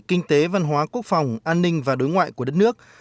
kinh tế văn hóa quốc phòng an ninh và đối ngoại của đất nước